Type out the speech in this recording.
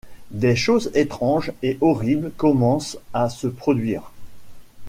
Des choses étranges et horribles commencent à se produire...